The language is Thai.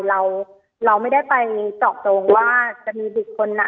เราไม่ได้ไปต่อตรงว่าจะมีอีกคนไหน